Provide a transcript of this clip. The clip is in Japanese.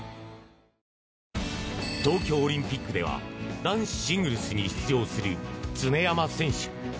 東京オリンピックでは男子シングルスに出場する常山選手。